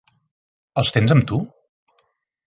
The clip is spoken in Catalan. Els tens amb tu?